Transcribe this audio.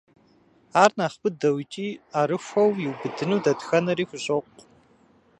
Ар нэхъ быдэу икӏи ӏэрыхуэу иубыдыну дэтхэнэри хущӏокъу.